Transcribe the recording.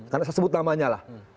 karena saya sebut namanya lah